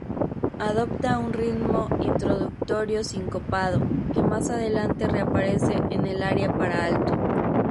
Adopta un ritmo introductorio sincopado que más adelante reaparece en el aria para alto.